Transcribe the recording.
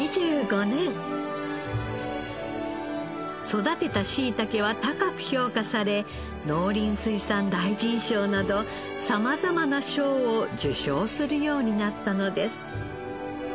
育てたしいたけは高く評価され農林水産大臣賞など様々な賞を受賞するようになったのです。